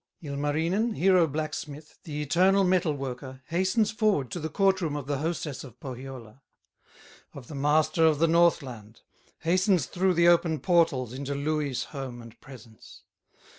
Ilmarinen, hero blacksmith, The eternal metal worker, Hastens forward to the court room Of the hostess of Pohyola, Of the master of the Northland, Hastens through the open portals Into Louhi's home and presence.